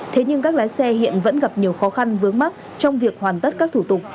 thế nhưng các lái xe hiện vẫn gặp nhiều khó khăn vướng mắt trong việc hoàn tất các thủ tục